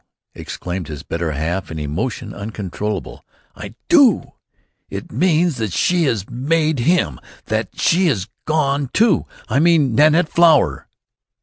exclaimed his better half, in emotion uncontrollable. "I do! It means that she has made him, that she has gone, too I mean Nanette Flower!"